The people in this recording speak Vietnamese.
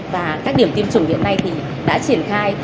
và các điểm tiêm chủng hiện nay thì đã triển khai